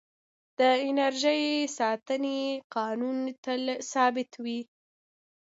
د انرژۍ ساتنې قانون تل ثابت وي.